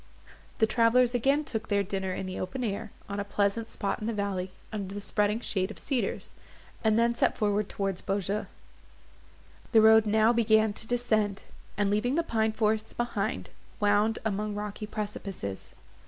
The travellers again took their dinner in the open air, on a pleasant spot in the valley, under the spreading shade of cedars; and then set forward towards Beaujeu. The road now began to descend, and, leaving the pine forests behind, wound among rocky precipices.